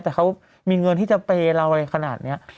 แต่เขามีเงินที่จะเปย์เราอะไรขนาดนี้